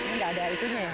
ini gak ada air di sini ya